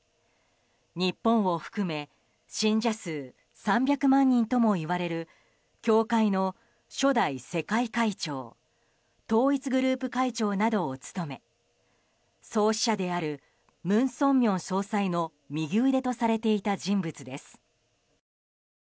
日本を含め信者数３００万人ともいわれる教会の初代世界会長統一グループ会長などを務め創始者である文鮮明総裁の右腕とされていた人物です。